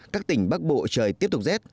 các tỉnh bắc bộ trời tiếp tục rét